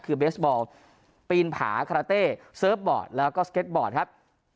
คือเบสบอลปีนผาคาราเต้เซิร์ฟบอร์ดแล้วก็สเก็ตบอร์ดครับ